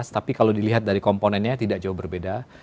tapi kalau dilihat dari komponennya tidak jauh berbeda